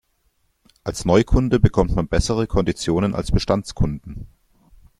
Als Neukunde bekommt man bessere Konditionen als Bestandskunden.